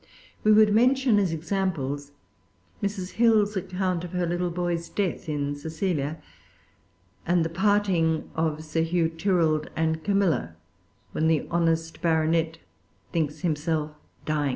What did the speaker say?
We would mention as examples, Mrs. Hill's account of her little boy's death in Cecilia, and the parting of Sir Hugh Tyrold and Camilla, when the honest baronet thinks himself dying.